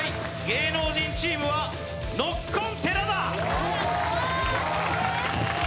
芸能人チームはノッコン寺田